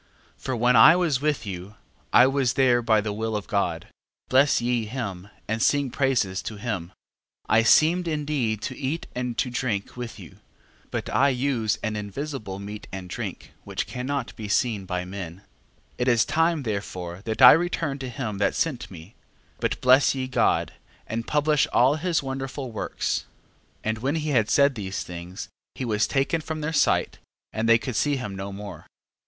12:18. For when I was with you, I was there by the will of God: bless ye him, and sing praises to him. 12:19. I seemed indeed to eat and to drink with you but I use an invisible meat and drink, which cannot be seen by men. 12:20. It is time therefore that I return to him that sent me: but bless ye God, and publish all his wonderful works. 12:21. And when he had said these things, he was taken from their sight, and they could see him no more.